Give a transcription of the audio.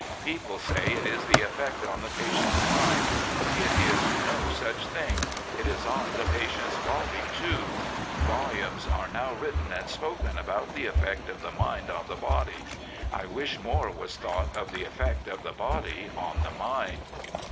People say it is the effect on the patient's mind. It is no such thing ; it is on the patient's body. too. ... Volumes are now written and spoken about the effect of the mind on the body. ... I wish more was thought of the effect of the body on the mind.